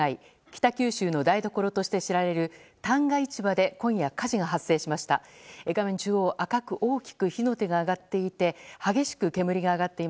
北九州の台所として知られる旦過市場で今夜、火事が発生しました。